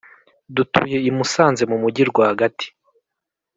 Dutuye I Musanze mu mujyi rwa gati